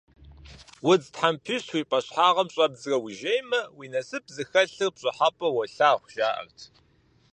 Удз тхьэмпищ уи пӀащхьэгъым щӀэбдзрэ ужеймэ, уи насып зыхэлъыр пщӀыхьэпӀэу уолъагъу, жаӀэрт.